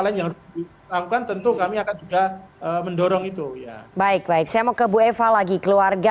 lain yang lakukan tentu kami akan juga mendorong itu baik baik saya mau ke bu eva lagi keluarga